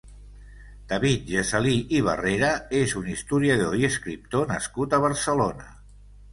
David Gesalí i Barrera és un historiador i escriptor nascut a Barcelona.